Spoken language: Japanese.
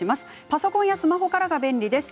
パソコンやスマホからが便利です。